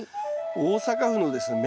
大阪府のですね